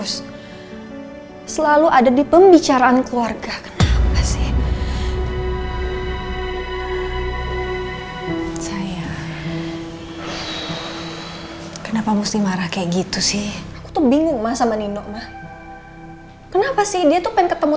saya mau mandi dulu